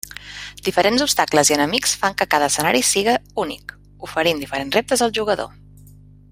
Diferents obstacles i enemics fan que cada escenari siga únic, oferint diferents reptes al jugador.